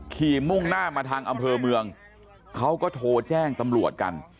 มุ่งหน้ามาทางอำเภอเมืองเขาก็โทรแจ้งตำรวจกัน